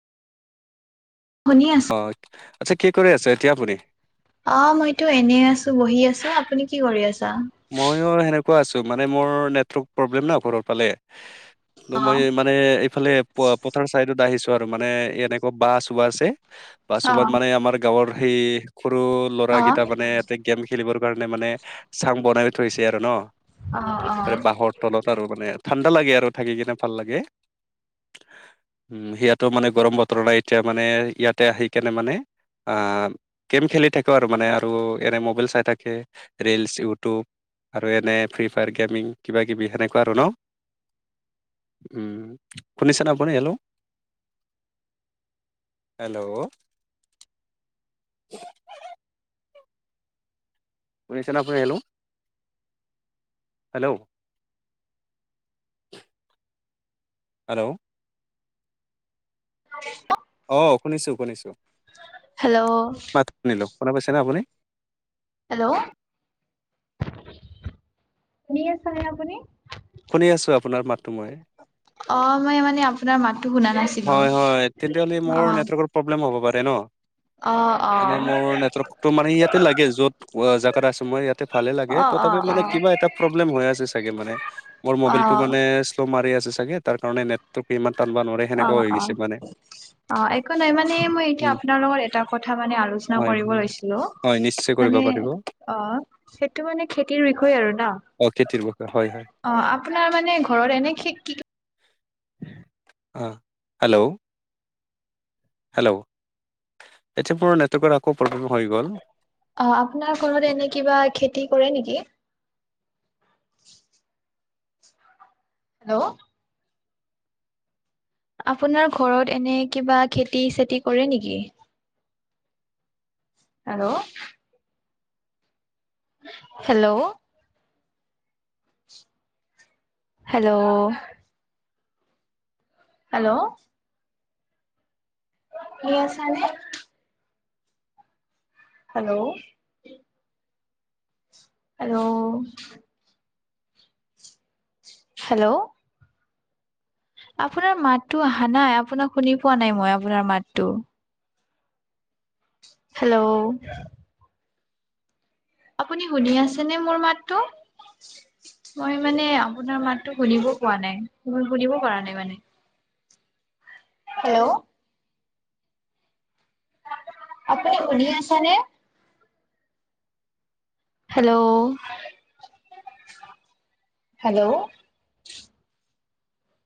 শুনি আছা? অ আচ্ছা কি কৰি আছে এতিয়া আপুনি। অ মইতো এনেই আছো বহি আছো আপুনি কি কৰি আছে। ময়ো সেনেকুৱা আছোঁ মানে মোৰ নেটৱৰ্ক প্ৰব্লেম ন ঘৰৰ ফালে- ত মই অ', মানে এইফালে পথাৰ চাইডত আহিছো আৰু মানে এনেকুৱা বা চবা আছে। বাছমান অ', মানে আমাৰ গাঁৱৰ সেই সৰু অ ল'ৰাৰাকেইটা মানে এতে গেম খেলিব কাৰণে মানে চাং বনাই থৈছে আৰু ন? অ তাৰে বাঁহৰ তলত আৰু মানে ঠাণ্ডা লাগে আৰু থাকি কিনে ভাল লাগে। উ সেইয়াতো মানে গৰম বতৰ নাই এতিয়া মানে ইয়াতে আহি কেনে মানে আ গেম খেলি থাকো আৰু মানে আৰু এনে মবাইল চাই থাকে, ৰিলচ ই ইউটিউব আৰু এনে ফ্ৰী ফায়াৰ গেমিং কিব কিবি সেনেকুৱা আৰু ন। উম শুনি চানা আপুনি হেল্লো? হেল্ল'। শুনিছানে আপুনি? হেল্ল। হেল্ল'। হেল্ল'। [unintelligible] অ শুনিছো শুনিছো হেল্ল' মাত শুনিলো। শুনা পাইছেনে আপুনি? হেল্ল' শুনি আছেনে আপুনি? শুনি আছো আপোনাৰ মাত- অ মই মানে আপোনাৰ মাত হয় হয় তেনেহ'লে মোৰ অ', নেটৱৰ্কৰ প্ৰব্লেম হ'ব পাৰে ন- অ', মানে অ', মোৰ নেটৱৰ্কটো মানে ইয়াতে লাগে য'ত জেগাত আছো মই ইয়াতে ভালে লাগে। অ', অ', ত'ত তথাপি মানে অ', কিবা এটা প্ৰব্লেম হৈ আছে চাগে মানে। মোৰ মবাইটো অ', মানে শ্ল' মাৰি আছে চাগে তাৰ কাৰণে নেটটো ইমান টানাবা নোৱাৰে। সেনেকা অ', হৈ অ'। গৈছে মানে। অ একো নাই মানে মই এতিয়া উম আপোনাৰ লগত এটা কথা মানে আলোচনা হয় কৰিব হয় লৈছিলো। মান হয় নিশ্চয় কৰিব মানে পাৰিব অ সেইটো মানে খেতিৰ বিষয়ে আৰু ন। অ খেতিৰ বিষয়ে হয় হয় অ আপোনাৰ মানে ঘৰত এনে কি অ হেল্ল'। হেল্ল' এতিয়া মোৰ নেটৱৰ্কৰ আকৌ প্ৰব্লেম হৈ গ'ল অ আপোনাৰ ঘৰত এনে কিবা খেতি কৰে নেকি? হেল্ল'। আপোনাৰ ঘৰত এনে কিবা খেতি চেতি কৰে নেকি? হেল্ল'। হেল্ল'। হেল্ল'। হেল্ল'। শুনি আছা নে? হেল্ল'। হেল্ল'। হেল্ল'। আপোনাৰ মাতটো আহা নাই, আপোনাক শুনি পোৱা নাই মই আপোনাৰ মাতটো। হেল্ল'। আপুনি শুনি আছেনে মোৰ মাতটো? মই মানে আপোনাৰ মাততো শুনিব পোৱা নাই। মই শুনিব পৰা নাই মানে। হেল্ল'। আপুনি শুনি আছে নে? হেল্ল'। হেল্ল'।